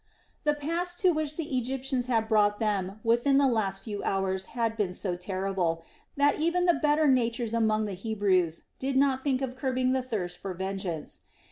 The pass to which the Egyptians had brought them within the last few hours had been so terrible, that even the better natures among the Hebrews did not think of curbing the thirst for vengeance.